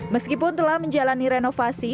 meskipun telah menjalani renovasi